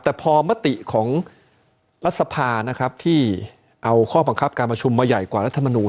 แต่พอมติของรัฐสภานะครับที่เอาข้อบังคับการประชุมมาใหญ่กว่ารัฐมนูล